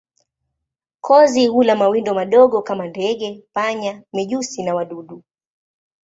Kozi hula mawindo madogo kama ndege, panya, mijusi na wadudu.